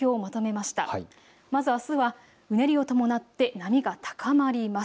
まずあすはうねりを伴って波が高まります。